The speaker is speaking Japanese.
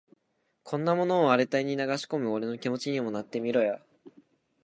こんなものを荒れた胃に流し込む俺の気持ちにもなってみろよ。